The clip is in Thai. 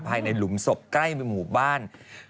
หลุมศพใกล้หมู่บ้าน